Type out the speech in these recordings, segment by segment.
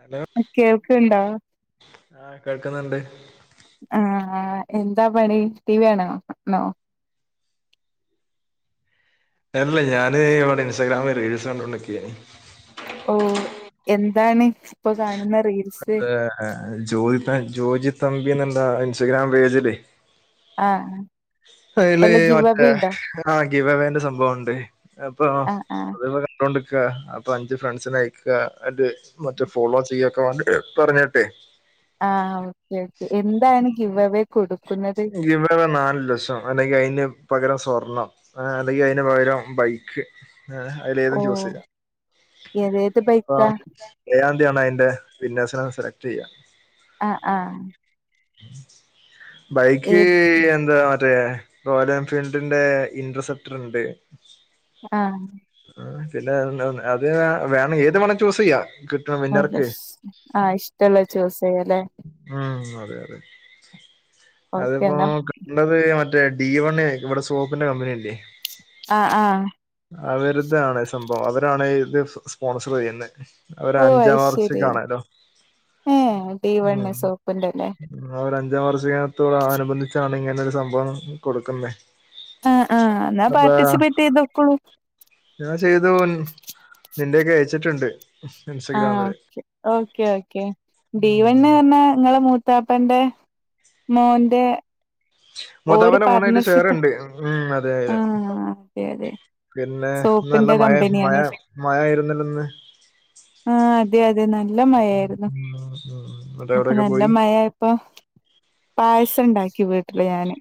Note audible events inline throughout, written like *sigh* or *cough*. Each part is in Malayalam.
ഹലോ കേൾക്കണ്ടാ ആഹ് കേൾക്കുന്നുണ്ട് ആഹ എന്താ പണി ടി വികാണ ആണോ അല്ല ഞാന് ഇവിടെ ഇൻസ്റ്റാഗ്രാം റീൽസ് കണ്ടുകൊണ്ടിരിക്കാണ് ഓ എന്താണ് ഇപ്പൊ കാണുന്ന റീൽ അ ജോജി ജോജി തമ്പിന്ന എന്താ ഇൻസ്റ്റഗ്രാം പേജല്ലേ ആഹ് അല വല്ല ഗിവ് മറ്റേ അവേ ഉണ്ടോ ആഹ ഗീവവേ വേന്റെ സംഭവണ്ട് അപ്പൊ ആഹ് ആഹ് അപ്പ കണ്ടോൊണ്ട്ക്ക അപ്പൊ അഞ്ച് ഫ്രണ്ട്സിനെ അയക്ക അ മറ്റേ ഫോളോ ചെയ്യക്കെ വേണ്ടി് പറഞ്ഞട്ടെ ആഹ് ഓക്കെ ഓക്കെ എന്താണ്വഗീവവേ ഗീവവേ നാല് ലക്ഷം അല്ലെങ്കിൽ അതിന് പകരം സ്വർണം അല്ലെങ്കിൽ അതിന് പകരം ബൈക്ക്ഹേ അതില ഏതും ചൂസ് ചെയ്യ ഏതഏത് ബൈക്ക ഏഴാന്തിയാണ് അതിന്റെ വിന്യസിനെ സെലക്ട് ചെയ്യ ആഹ ആഹ ബൈക്ക് ഏത് എന്താ മറ്റേ റോയൽ എൻഫീൽഡിന്റെ ഇന്റർസെപ്റ്റർ ഉണ്ട് ആഹ ആ പിന്നെ അത് വേണം ഏത് വേണം ചൂസ് ചെയ്യാ കിട്ടണം വിന്നർക്ക് ആഹ് ഇഷ്ടമുള്ള ചൂസ്ചെയ്യാലെ ഉം അതെ അതെ. ഓക്കെ അതിപ്പോ എന്നാ ഉള്ളത് മറ്റേ ഡി വണ് ആയിക്കും'. ഇവിടെ സോപ്പിന്റെ കമ്പനിയല്ലേ ആഹ ആഹ അവരിതാണ് സംഭവം. അവരാണ് ഇത് സ്പോൺസർ ചെയ്യുന്നെ ഓ അവരഞ്ചാം അത് ശരി വാർഷികാണല്ലോ. ഏഹ് ഡി വൺ സോപ്പിന്റെ അല്ലേ ഉം' അവരഞ്ചാം വാർഷികത്തോട് അനുബന്ധിച്ചാണ് ഇങ്ങനെ ഒരു സംഭവം കൊടുക്കുന്നേ ആഹ ആഹ് എന്നാൽ പാർട്ടിസിപ്പേറ്റ് ചെയ്ത് പോക്കുള്ളൂ. ഞാൻ ചെയ്തു. നിന്റെയൊക്കെ അയച്ചിട്ടുണ്ട്. ആഹ ഇൻസ്റ്റഗ്രാമില് ഓക്കേ ഓക്കേ ഓക്കെ. ഡി ഉം വൺന്ന് പറഞ്ഞാ നിങ്ങള മ ത്താപ്പന്റെ മോന്റെ ഓര് മൂത്താപ്പന്റ മോനായില് പാർട്ണർഷിപ്പ് ഷയറണ്ട്. ഉ അതെ അതെ. ആഹ് അതെ അതെ പിന്നെ നല്ല സോപ്പിന്റെ മഴ മഴ കമ്പനിയാണ് മഴായിരുന്നില്ല ഇന്ന് ആഹ അതെ അതെ. നല്ല മഴായിരുന്നു. ഇന്ന് മറ്റേ അപ്പൊ എവിടെയൊക്കെ നല്ല പോയി മഴ ഇപ്പൊ പായസം ഉണ്ടാക്കി വീട്ടില് ഞാന്.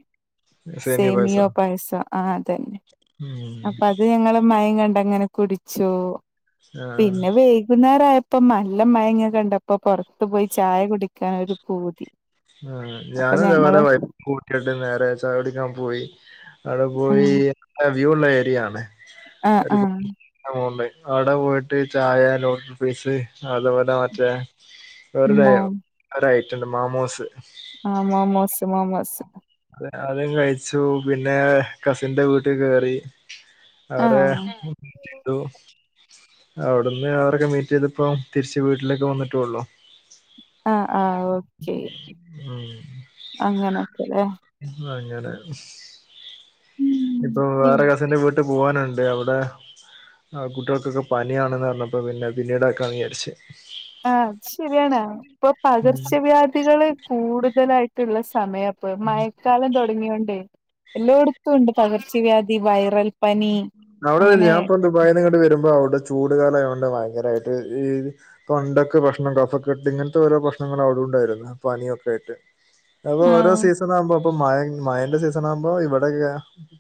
സേമിയ സേമിയോ പായസം പായസോ. ആഹ അതന്നെ. ഉം അപ്പ അത് ഞങ്ങള് മയം കണ്ടങ്ങനെ കുടിച്ചു. ആഹ് പിന്നെ വൈകുന്നേര ആ ഇപ്പൊ നല്ല മയങ്ങിന കണ്ടപ്പോ പുറത്തു പോയി ചായ കുടിക്കാനൊരു പൂതി. ഉ അപ്പൊ ഞാനു ഇതപോല ഞങ്ങള് വൈ കൂട്ടിട്ട് നേരെ ചായ കുടിക്കാൻ പോയി. അവിടെ പോയി ആഹ് വ്യൂ ഉള്ള ഏരിയ ആണ് ആഹ് ആഹ് ണ്ട് അവിടെ പോയിട്ട് ചായ ലോടട്ഫ്രൈസ് അതുപോലെ മറ്റേ വരുടെ മോ ഒരായിറ്റുണ്ട് മാമോസ് ആഹമോമോസ് മോമോസ്. അതും കഴിച്ചു. പിന്നെ കസിന്റെ വീട്ടിൽ കേറി. അവരെ ആഹ് അവിടുന്ന് അവരൊക്കെ മീറ്റ് ചെയ്തപ്പോ തിരിച്ച് വീട്ടിലേക്കെ വന്നിട്ടേള്ളു ആഹ ആഹ ഓക്കെ. അങ്ങനക്കെല്ലേ. ഇ അങ്ങനെ ഇപ്പൊ ഉം വേറെ കസിന്റെ വീട്ടു പോവാനുണ്ട്. അവിടെ ആ കുട്ടികൾക്കൊക്കെ പനിയാണെന്ന് പറഞ്ഞപ്പോ പിന്നെ പിന്നീട് ആക്കാന്ന് വിചാരിച്ചു. ആഹ. അത്ശരിയാണ്. ഇപ്പൊ പകർച്ചവ്യാധികള് കൂടുതലായിട്ടുള്ള സമയം. ഇപ്പ മഴക്കാലം തുടങ്ങിയൊണ്ടെ എല്ലായിടത്തും ഉണ്ട് പകർച്ചവ്യാധി വൈറൽ പനി അവിട അങ്ങനെ ഞൻപ്പ വയനങ്ങണ്ട് വരുമ്പോ അവിടെ ചൂട കാലം ആതുകൊണ്ട് ഭയങ്കരമായിട്ട് തൊണ്ടക്കെ പ്രശ്നം കഫക്കെട്ട് ഇങ്ങനത്തെ ഓരോ പ്രശ്നങ്ങൾ അവിട ഉണ്ടായിരുന്നു പനിയൊക്കെ ആയിട്ട് അപ്പൊ ഓരോ ആഹ് സീസൺ ആകുമ്പോ അപ്പ മഴ മഴന്റെ സീസണ ആകുമ്പോ ഇവിടെക്കെ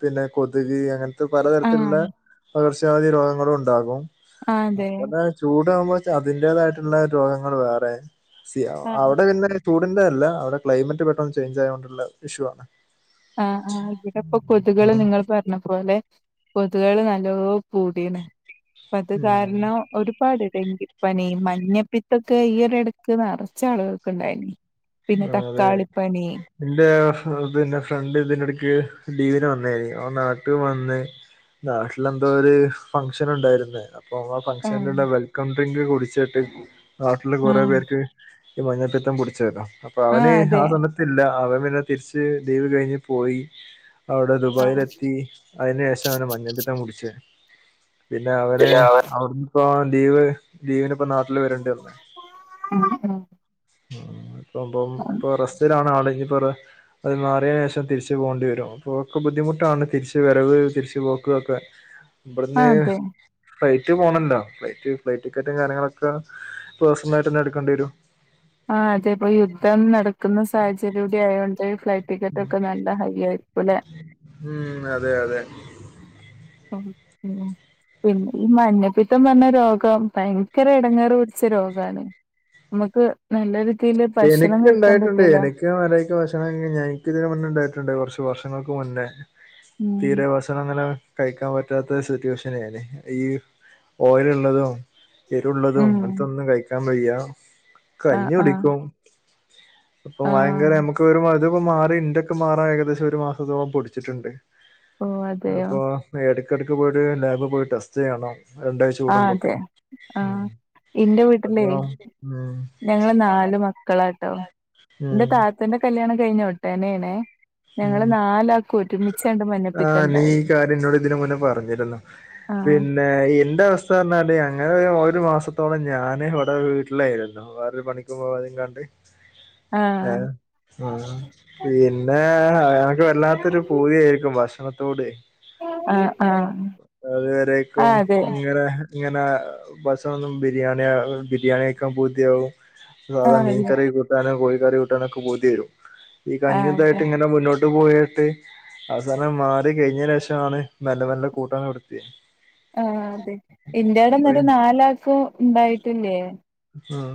പിന്നെ കൊതുകി അങ്ങനെ പലതരത്തിലുള്ള ആഹ് പകർച്ചവാതി രോഗങ്ങളും ഉണ്ടാകും ആഹ് അതെ അതുപോലെ ചൂടാകുമ്പോ അതിന്റേതായിട്ടുള്ള രോഗങ്ങൾ വേറെ സീ ആഹ് അവിടെ പിന്നെ ചൂടിൻ്റെ എല്ല അവിടെ ക്ലൈമറ്റ് പെട്ടെന്ന് ചേഞ്ച് ആയത്കൊണ്ടുള്ള ഇഷ്യൂ ആണ് ആഹ് ആഹ് ഇവിടെ ഇപ്പൊ കൊതുകള് ഉം. നിങ്ങൾ പറ ഞ്ഞ പോലെ കൊതുകള് നല്ലോ കൂടിണ് അത് ഉം. കാരണം ഒരു ഒരുപാട് ഡങ്കിപ്പനീ മഞ്ഞപ്പിത്തൊക്കെ ഈ ഒരു ഇടക്ക് നിറച്ച് ആളുകൾക്ക് ഇണ്ടായിനി പിന്നെ തക്കാളിപ്പനി ഇന്റെ പിന്നെ ഫ്രണ്ട് ഇതിന്റെ എടക്ക് ലീവിന് വന്നയ്നി ഓൻ നാട്ടു വന്ന് നാട്ടിലെന്തോ ഒരു ഫങ്ഷൻ ഉണ്ടായിരുന്നേ അപ്പോ ആ ആഹ് ഫംഗ്ഷനിലുള്ള വെൽക്കം ഡ്രിങ്ക് കുടിച്ചിട്ട് നാട്ടില് കുറെ ആഹ് പേർക്ക് ഈ മഞ്ഞപ്പിത്തം പുടിച്ചല്ലോ അപ്പൊ ആഹ് അവന് അതെ ആ സമയ ഇല്ല അവൻ പിന്നെ തിരിച്ച് ലീവ് കഴിഞ്ഞ് പോയി അവിടെ ആ ദുബായിൽ എത്തി അയിന് ശേഷം അവന് മഞ്ഞപ്പിത്തം പിടിച്ചേ പിന്നെ അവരെ അവ ഇപ്പം ലീവ് ലീവ്ന് ഇപ്പ നാട്ടില് വരേണ്ടി വന്ന് ഇപ്പം ഇപ്പൊ റസ്റ്റിലാണ് ആളെ ഇനിപ്പ അത് മാറിയ ശേഷം തിരിച്ച് പോകേണ്ടി വരും അപ്പോ ഒക്കെ ബുദ്ധിമുട്ടാണ് തിരിച്ച് വരവ് തിരിച്ച് പോക് ഒക്കെ *inaudible* ഇവട്ന്ന് അതെ ഫ്ലൈറ്റ് പോണല്ലോ ഫ്ലൈറ്റ് ഫ്ലൈറ്റ് ടിക്കറ്റും കാര്യങ്ങളൊക്ക പേഴ്സണലായിട്ട്തന്നെ എടുക്കേണ്ടി വരും ആ അതെപ്പോ യുദ്ധം നടക്കുന്ന സാഹചര്യം കുടി ആയതുകൊണ്ട് ഫ്ലൈറ്റ് ടിക്കറ്റ് ഒക്കെ നല്ല ഹൈ ആയിക്കും ലേ ഉം അതെ അതെ *unintelligible* പിന്നെ ഈ മഞ്ഞപ്പിത്തം പറഞ്ഞ രോഗം ഭയങ്കര എടങ്ങേറ് പിടിച്ച രോഗാണ് നമ്മക്ക് നല്ല രീതിയില് ഭക്ഷണം കഴിക്കാൻ പറ്റൂല *unintelligible* മര്യാദിക്ക് ഭക്ഷണം ഞ എനിക്ക് ഇതിന് മുന്നേ ഉണ്ടായിട്ടുണ്ട് കൊറച്ച് വർഷങ്ങൾക്ക് മുന്നേ ഉം തീരെ ഭക്ഷണം അങ്ങനെ കഴിക്കാൻ പറ്റാത്ത സിറ്റുവേഷനെയ്നി ഈ ഓയലുള്ളതും എരുള്ളതും ഉം അങ്ങൻത്തെ ഒന്നും കഴിക്കാൻ വയ്യാ ആഹ് കഞ്ഞി ആഹ് കുടിക്കും അപ്പൊ ഭയങ്കര ആഹ് നമുക്ക് വരു ഇത്പ്പോ മാറി ഇന്റെതൊക്കെ മാറാൻ ഏകദേശം ഒരു മാസത്തോളം പിടിച്ചിട്ടുണ്ട് ഓ അതെയോ അപ്പൊ ഇടക്കിടയ്ക്ക് പോയിട്ട് ലാബിൽ പോയി ടെസ്റ്റ് ചെയ്യണം രണ്ടാഴ്ച ആ കൂടുമ്പോക്കെ അതെ ആഹ് ഇന്റെ അപ്പൊ വീട്ടിലേ ഉം ഞങ്ങള് നാല് മക്കളാട്ടോ ഇന്റെ ഉം താത്തന്റെ കല്യാണം കഴിഞ്ഞ് ഉടനേണ് ഉ ആഹ് നീ മഞ്ഞപ്പിത്തണ്ടായി ഈ കാര്യം ഇന്നോട് ഇതിന് മുന്നേ പറഞ്ഞിരുന്നു ആഹ് പിൻ ന്നെ ഇന്റെ അവസ്ഥ പറഞ്ഞാല് അങ്ങനെ ഒരു മാസത്തോളം ഞാന് ഇവിടെ വീട്ടിലായിരുന്നു വേറൊരു പണിക്കും പോവതെയ്കാണ്ട് ആഹ് പിന്നെ ഏഹ് അനക്ക് വല്ലാത്തൊരു പൂതിയായിരിക്കും ഭക്ഷണത്തോട് ആഹ് ആഹ് അത് വെരേക്കും ആഹ് അതെ ഇങ്ങനെ ഇങ്ങനെ ഭക്ഷണമൊന്നും ബിരിയാണി ബിരിയാണി കഴിക്കാൻ പൂതിയാവും വേറെ ആഹ് മീൻ അതെ കറി കൂട്ടാനും കോഴിക്കറി കൂട്ടാന് ഒക്കെ പൂതിവരും ഈ കഞ്ഞി ആഹ് അതെ പിന്നെ മുന്നോട്ട് പോയിട്ട് അവസാനം മാറി കഴിഞ്ഞതിന്റെ ശേഷമാണ് മെല്ലെ മെല്ലെ കൂട്ടാന് തൊടുത്തിയത് ആഹ് അതെ ഇന്റാടെ എന്നിട്ട് നാലാക്കും ഉണ്ടായിട്ടില്ലേ ആഹ്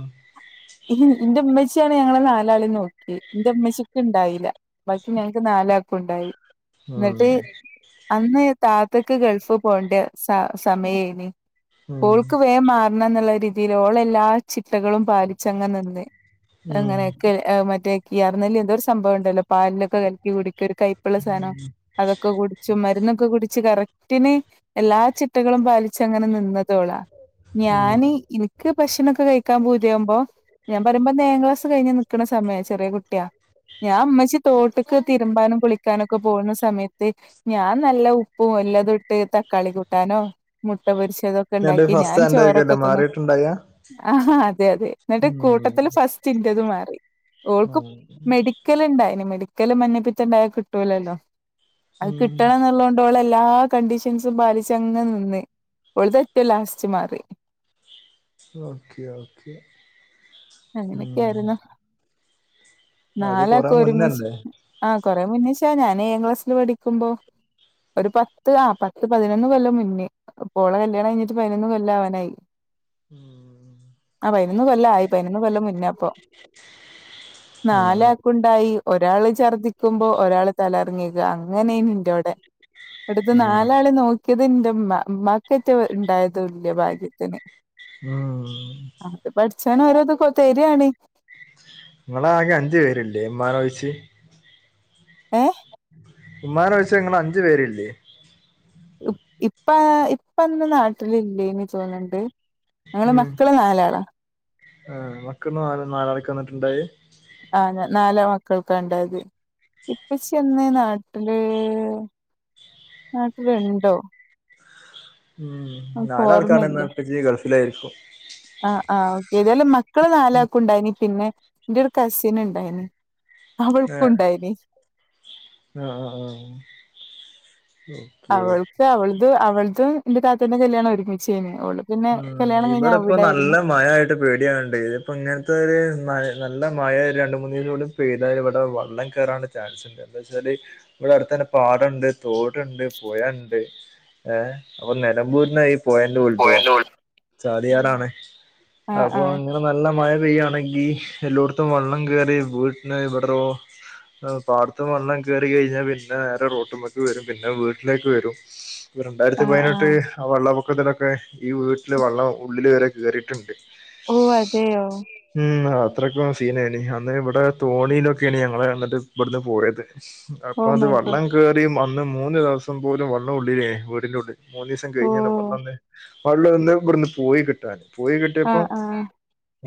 ഇന്റെ ഇമ്മച്ചിയാണ് ഞങ്ങളെ നാലാളെയും നോക്കിയത് ഇന്റെ ഇമ്മച്ചിക്ക് ഇണ്ടായിലാ ബാക്കി ഞങ്ങക്ക് നാലക്കും ഉണ്ടായി ഉം ന്നിട്ട് അന്ന് താത്തക്ക് ഗൾഫ് പോകേണ്ട സ സമയേനി ഉം ഓൾക്ക് വേം മാറണംന്നുള്ള രീതിയില് ഓളെല്ലാ ചിട്ടകളും പാലിച്ചങ്ങ നിന്ന് ഉം അങ്ങനെയൊക്കെ മറ്റേ കിയർ ന്നല്ലി എന്തോ ഒരു സംഭവം ഉണ്ടല്ലോ പാലിലൊക്കെ കഴി കുടിക്ക ഒരു കൈയ്പ്പിള്ള സാധനം അതൊക്കെ കുടിച്ചു മരുന്നൊക്കെ കുടിച്ച് കറക് റ്റ്ന് എല്ലാ ചിട്ടകളും പാലിിച്ചങ്ങനെ നിന്നതോളാ ഉം ഞാന്നി ഇക്ക് ഭക്ഷണൊക്കെ കയിക്കാൻ പൂതി യാമ്പോ ഞാമ്പറിയുമ്പോ ഏഴാം ക്ലാസ് കയിഞ്ഞുക്കണ സമയ ചെറിയ കുട്ടിയാ ഞാമ്മച്ചി തോട്ടക്ക് തിരുമ്പാനും കുളിക്കാനൊക്കെ പോകുന്ന സമയത്ത് ഞാൻ നല്ല ഉപ്പും എല്ലാംത്ട്ട് തക്കാളി കൂട്ടാനും മുട്ട പൊരിച്ചതും എന്നിട്ട് ക്കണ്ടാക്കി ഞാൻ ഫസ്റ്റ് അന്റായിരിക്കുംല്ലേ ചോറൊക്കെത്തിന്നും മാറിയിട്ടുണ്ടായ ആഹ അതെ അതെ ന്നിട്ട് ഉം കൂട്ടത്തില് ഫസ്റ്റിൻറത് മാറി ഉം ഓൾക്ക്മെഡി ക്കലിണ്ടായിനി മെഡിക്കല് മഞ്ഞപ്പിത്തണ്ടായ കിട്ടൂലല്ലോ അത് ഉം കിട്ടണംന്നുള്ളോണ്ട് ഓളല്ലാ കണ്ടീഷൻസും പാലിച്ചങ്ങ് നിന്ന്‌ ഓളെതെറ്റ് ലാസ്റ്റ് മാറി ഓക്കെ ഓക്കെ ഉം അങ്ങനെയൊക്കെയായിരുന്നു അത് കൊറെ നാലക്കൊരുമിച്ച് മുന്നല്ലേ ആഹ കൊറെ മുന്നേശാ ഞാനേ ഏഴാ ക്ലാസ്സിൽ പഠിക്ക്മ്പോ ഒരു പത്ത് ആ ഹ പത്ത് പതിനൊന്ന് കൊല്ല മുന്നേ ഓളെ കല്യാണം കയിഞ്ഞിട്ട് പതി നൊന്നുകൊല്ലാവനായി ഉം ആഹ പയിനൊന്ന് കൊല്ലായി പയിനൊന്നുകൊല്ലമുന്നാപ്പോ. ആഹ് നാലാക്കു ണ്ടായി ഒരാള് ഛർദ്ദിക്കുമ്പോ ഒരാള് തലറങ്ങി വിക അങ്ങനേനി ഇന്റോടെ അടുത്ത് ആഹ് നാലാളേ നോക്കിയത് ന്റെമ്മ ഉ മ്മാക്കറ്റെ ണ്ടായതല്യ ഭാഗ്യത്തിന് ഉം അത് പഠിച്ചാനോരോത് തെരാണ് ങ്ങളാകെ അഞ്ചേ പേര്ല്ലേ മ്മാനോയിച്ച് ഏഹ ഇമ്മാനോയിച്ചു ഇങ്ങളഞ്ചു പേര്ല്ലേ ഇപ്പാ ഇപ്പന്ന്‌ നാട്ടിലില്ലേനി തോന്ന്‌ണ്ട്‌ ഞങ്ങള് മക്കള് നാലാളാ ങ്ങക്ക് നാല് നാലാക്കെന്നിട്ടുണ്ടായെ ആഹ ഞ നാല്‌ മക്കൾക്കാണ്ടായത് ഇപ്പച്ചിയന്ന് നാട്ടില് നാട്ടിലുണ്ടോ ഉം ഓക്ക് നാലാൾ ക്കാരെന്ന ഓർമ്മയില്ലേ പ്പച്ചി ഗൾഫിലായിരിക്കും ആഹ് ആഹ ഏതായാലും മക്കള് നാലാക്കു ണ്ടായിന് പിന്നെ ന്റൊരു കസിന് ണ്ടായിന് അവൾക്കുണ്ടായിനി ആഹ ആഹ ആഹ അവൾക്ക് അവൾതും അവൾതും ന്റെ താത്തന്റെ കല്യാണം ഒരുമിച്ചേനി അവള് ഉം ഇവടപ്പം നല്ല മഴയായി പേടിയാൺണ്ട് ത്പ്പ ഇങ്ങൻത്തോര്നല്ല മയ രണ്ട് മൂന്നിലൂടി പെയ്താൽ ഇവിടെ വള്ളം കേറാനുള്ള ചാൻസ്ണ്ട് എന്താച്ചാല് ഇവിടെ അടുത്തന്നെ പാടണ്ട് തോടുണ്ട് പുയണ്ട് ഏഹ അപ്പൊ നിലമ്പൂരിന്ന ഈ പുഴന്റെ ഉത്ഭവം പോയല്ലോ. ചാലിയാറാണ് ആഹ് അപ്പൊ ആഹ് ഇങ്ങനെ നല്ല മഴ പെയ്യയാണെങ്കി എല്ലോടത്തും വെള്ളം കേറി വീട്ടന് ഇവിട്റോ പാടത്ത് വള്ളം കേറി കയിഞ്ഞാൽ പിന്നെ നേരെറൊട്ട് മക്ക് വരും പിന്നെ വീട്ടിലേക്ക് വരും രണ്ടായിരത്തി ആഹ് പതിനെട്ട് ആഹ് ആ വള്ളപ്പൊക്കത്തിലൊക്കെ ഈ വീട്ടില് വെള്ളം ഉള്ളില് വരെകേറീട്ടുണ്ട് ഓ അതെയോ *unintelligible* ഉം അത്രയ്ക്കും സീനേനി അന്ന് ഇവിടെ തോണിയിലൊക്കേനി ഞങ്ങള് എന്നിട്ട് ഇവിടുന്ന് പോയത്. ഓ അപ്പൊ അത് മൈ വെള്ളം ഗോഡ് കേറിമന്ന് മൂന്ന് ദിവസം പോലും വെള്ളം ഉള്ളില്ലേനി വീടിന്റെ ഉള്ളിൽ മൂന്നീസം ഓ കയിഞ്ഞിണ് വെള്ളൊന്ന് വെള്ളം ഒന്ന് ഇവിടെന്ന് പോയി കിട്ടാൻ പോയി കിട്ടിയപ്പം ആഹ് ആഹ്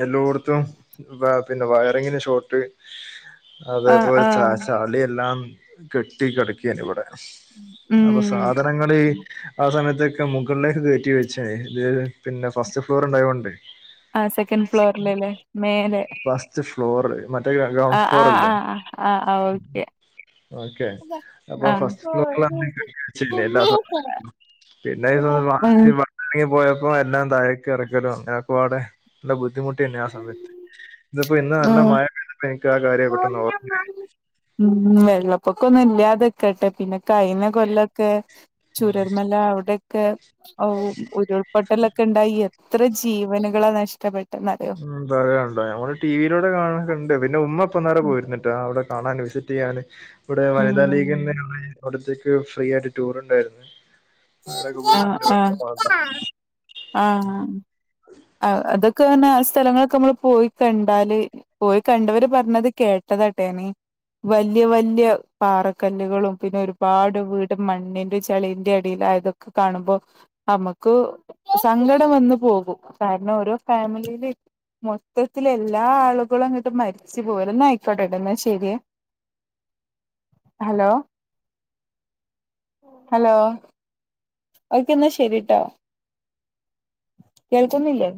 എല്ലോട്ത്തും പിന്നെ വയറിങ്ങിന്റെ ഷോർട്ട് ആഹ് അതേപ്പോലെ ച ആഹ് ചളിയെല്ലാം കെട്ടികെടക്കേനി ഇവടെ. അപ്പൊ ഉം സാധനങ്ങള് ആ സമയത്തൊക്കെ മുകളിലേക്ക് കേ റ്റി വച്ചയിന് ഇത് പിന്നെ ഫസ്റ്റ് ഫ്ലോർ ഉണ്ടായോണ്ടേ ആ സെക്കൻഡ് ഫ്ലോറില്ല്ലേ മേലേ സ്റ്റ് ഫ്ലോറില്‌ മറ്റേ ഗ്രൗണ്ട് ഫ്ലോർ ആഹ് അല്ലേ? ആഹ് ആഹ് ആഹ് ഓക്കെ ഓക്കെ അപ്പൊ ആഹ് ഫസ്റ്റ് ഫ്ളോറിലാണ് ഞങ്ങൾ വെച്ചിയിനെ എല്ലാ സധനങ്ങളും. പിന്നെ ഇത് ഉം *unintelligible* പോയപ്പോ എല്ലാം താഴേക്ക് ഇറക്കലും അങ്ങനൊക്കെ പാടെ. നല്ല ബുദ്ധിമുട്ടിയെന്ന്യാ ആ സമയത്ത് ഇതിപ്പോ ഇന്ന് നല്ല ആഹ് മഴ പെയ്തപ്പൊ എനിക്ക് ആ കാര്യാ പെട്ടെന്ന് ഓർത്തെ ഉം വെള്ളപ്പൊക്കൊന്നും ഇല്ലാതെക്കട്ടെ പിന്നെ കഴിഞ്ഞ കൊല്ലൊക്കെ ചുരൽമല അവിടെ ക്കെ ഉരുൾപൊട്ടലൊക്കെ ഉണ്ടായി എത്ര ജീവനുകളാ നഷ്ടപ്പെട്ടെന്നറിയോ? ഉം പറയാറുണ്ടോ ഞമ്മൾ ടി വി യിലൂടെ കാണല്ണ്ട് പിന്നെ ഉമ്മ ഇപ്പന്നാരെ പോയിരുന്നിട്ടോ. ഇവിടെ കട അന്വേഷിച്ച് ഞാൻ ഇവിടെ ഉം വനിതാ ലീഗി അവിടുത്തേക്ക് ഫ്രീ ആയിട്ട് ടൂർ ഉണ്ടായിരുന്നു. അവിടൊക്കെ പോയി ആഹ് ആഹ് *unintelligible* ആഹ് അതൊക്കെ പറഞ്ഞാ ആ സ്ഥലങ്ങളൊക്കെ നമ്മൾ പോയി കണ്ടാല് പോയി കണ്ടവര് പറഞ്ഞത് കേട്ടതാട്ടോ ഞാന് വല്ല്യ വല്ല്യ പാറക്കല്ലുകളും പിന്നെ ഒരുപാട് വീട് മണ്ണിന്റിം ചെളിന്റിം അടിയിലായതും കാണുമ്പോ നമുക്ക് സങ്കടം വന്ന് പോകും. കാരണം ഓരോ ഫാമിലിയില് മൊത്തത്തിൽ എല്ലാ ആളുകളും അങ്ങിട്ട് മരിച്ചു പോവല്ലേ ന്നാ ആയിക്കോട്ടെട്ടോ എന്നാ ശരിയേ. ഹലോ ഹലോ ഓക്കെ എന്നാ ശരിയിട്ടോ കേൾക്കുന്നില്ലേ?